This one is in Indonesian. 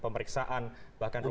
pemeriksaan bahkan rumah